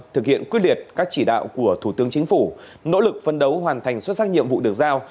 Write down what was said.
thực hiện quyết liệt các chỉ đạo của thủ tướng chính phủ nỗ lực phân đấu hoàn thành xuất sắc nhiệm vụ được giao